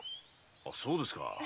あそうですか。